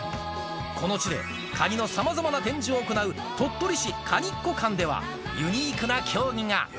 この地で、カニのさまざまな展示を行うとっとり市かにっこ館ではユニークな競技が。